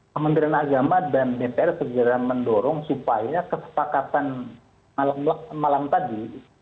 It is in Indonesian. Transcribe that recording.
kementerian agama dan dpr segera mendorong supaya kesepakatan malam tadi